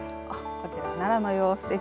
こちら奈良の様子です。